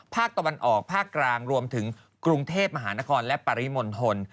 ภาคตะวันออกภาคกลางรวมถึงกรุงเทพมหานครและปริมณฑล